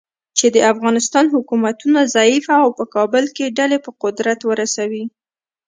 چې د افغانستان حکومتونه ضعیفه او په کابل کې ډلې په قدرت ورسوي.